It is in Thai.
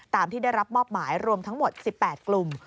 ที่ได้รับมอบหมายรวมทั้งหมด๑๘กลุ่ม